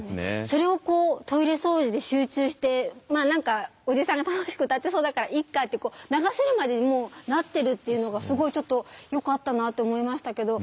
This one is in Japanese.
それをこうトイレ掃除で集中して何かおじさんが楽しく歌ってそうだからいっかって流せるまでにもうなってるっていうのがすごいちょっとよかったなって思いましたけど。